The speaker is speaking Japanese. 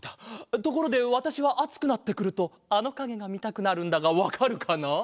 ところでわたしはあつくなってくるとあのかげがみたくなるんだがわかるかな？